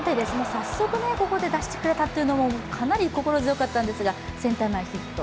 早速ここで出してくれたというのもかなり心強かったんですがセンター前ヒット。